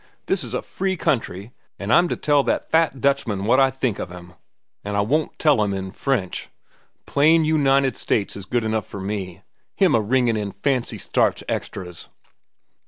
This is a free country, an' I'm to tell that fat Dutchman what I think of him. An' I won't tell 'm in French. Plain United States is good enough for me. Him a ringin' in fancy starch extras!"